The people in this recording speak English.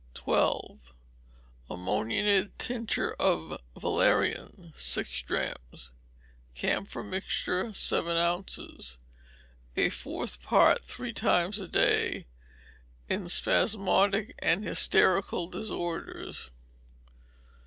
12. Ammoniated tincture of valerian, six drachms; camphor mixture, seven ounces; a fourth part three times a day; in spasmodic and hysterical disorders.